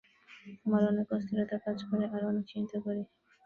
আমার অনেক অস্থিরতা কাজ করে আর অনেক চিন্তা করি।